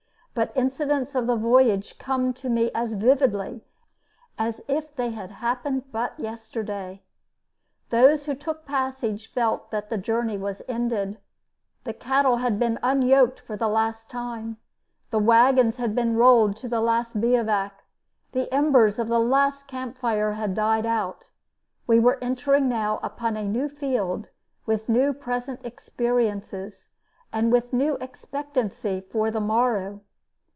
But incidents of the voyage come to me as vividly as if they had happened but yesterday. Those who took passage felt that the journey was ended. The cattle had been unyoked for the last time; the wagons had been rolled to the last bivouac; the embers of the last camp fire had died out. We were entering now upon a new field with new present experiences, and with new expectancy for the morrow.